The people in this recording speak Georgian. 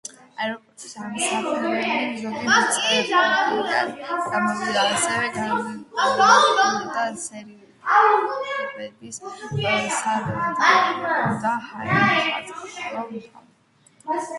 აეროდრომის ასაფრენი ზოლი მწყობრიდან გამოვიდა, ასევე განადგურდა სერბების სარადარო და ჰაერსაწინააღმდეგო თავდაცვის პოზიციები.